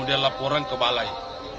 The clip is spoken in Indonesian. kemudian laporan ke balai